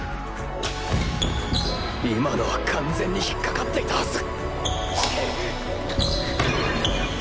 今のは完全に引っかかっていたはず